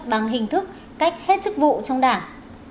bằng hình thức cách hết chức vụ trong đảng